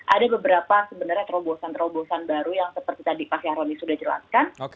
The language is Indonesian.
ada beberapa sebenarnya terobosan terobosan baru yang seperti tadi pak syahroni sudah jelaskan